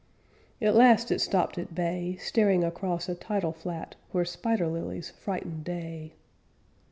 At last it stopped at bay, Staring across a tidal flat, Where spider lilies frightened day.